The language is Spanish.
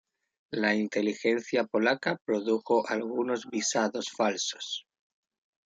La inteligencia polaca produjo algunas visados falsos.